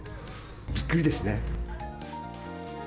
びっくりですね。